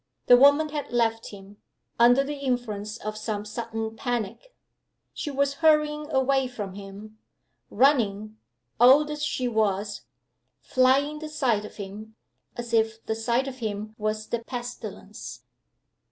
The woman had left him, under the influence of some sudden panic. She was hurrying away from him running, old as she was flying the sight of him, as if the sight of him was the pestilence.